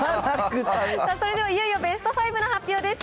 それではいよいよベスト５の発表です。